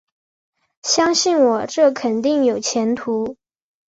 相信我，这肯定有前途